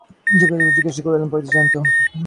ক্ষেমংকরী জিজ্ঞাসা করিলেন, পড়িতে জান তো?